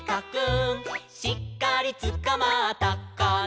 「しっかりつかまったかな」